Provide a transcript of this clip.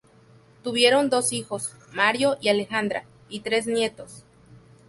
Tuvieron dos hijos, Mario y Alejandra, y tres nietos.